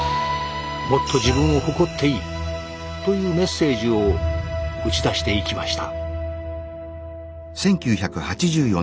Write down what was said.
「もっと自分を誇っていい」というメッセージを打ち出していきました。